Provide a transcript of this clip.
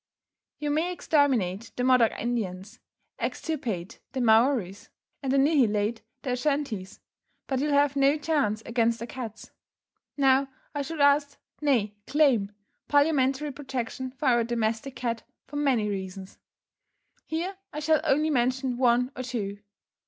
You may exterminate the Modoc Indians, extirpate the Maories, and annihilate the Ashantees, but you'll have no chance against the cats. Now, I should ask, nay, claim, parliamentary protection for our domestic cat, for many reasons. Here I shall only mention one or two.